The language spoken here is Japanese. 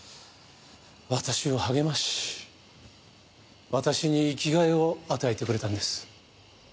私を励まし私に生きがいを与えてくれたんです。